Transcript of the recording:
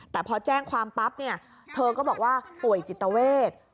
แต่พอแจ้งความปั๊บเนี่ยเธอก็บอกว่าป่วยจิตเวท